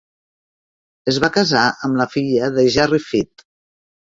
Es va casar amb la filla de Gerry FITT.